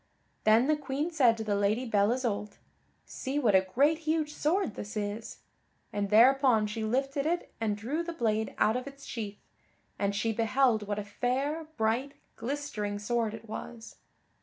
Then the Queen said to the Lady Belle Isoult, "See what a great huge sword this is," and thereupon she lifted it and drew the blade out of its sheath, and she beheld what a fair, bright, glistering sword it was.